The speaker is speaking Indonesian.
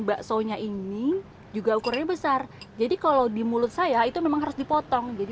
baksonya ini juga ukurannya besar jadi kalau di mulut saya itu memang harus dipotong jadi